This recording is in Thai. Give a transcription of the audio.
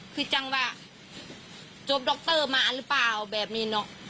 คือจังว่าจบดร็อคเตอร์มาหรือเปล่าแบบนี้เนอะ